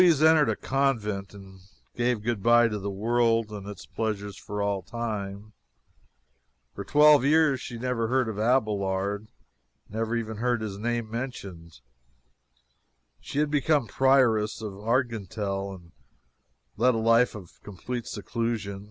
Heloise entered a convent and gave good bye to the world and its pleasures for all time. For twelve years she never heard of Abelard never even heard his name mentioned. She had become prioress of Argenteuil and led a life of complete seclusion.